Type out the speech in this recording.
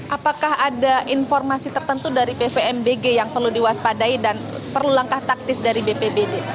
apakah ada informasi tertentu dari pvmbg yang perlu diwaspadai dan perlu langkah taktis dari bpbd